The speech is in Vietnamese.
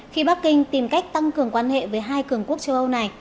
khi bắc kinh tìm cách tăng cường quan hệ với hai cường quốc triều